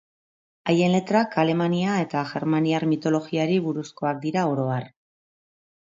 Haien letrak Alemania eta germaniar mitologiari buruzkoak dira oro har.